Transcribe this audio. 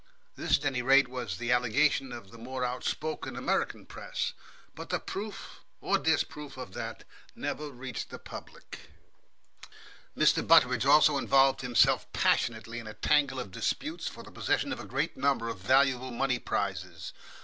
This, at any rate, was the allegation of the more outspoken American press. But the proof or disproof of that never reached the public. Mr. Butteridge also involved himself passionately in a tangle of disputes for the possession of a great number of valuable money prizes.